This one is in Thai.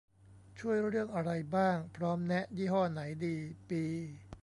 ช่วยเรื่องอะไรบ้าง พร้อมแนะยี่ห้อไหนดี ปี